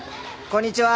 こんにちは。